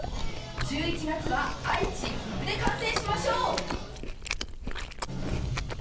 １１月は愛知岐阜で観戦しましょう。